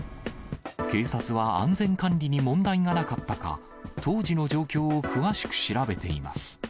警察は、安全管理に問題がなかったか、当時の状況を詳しく調べています。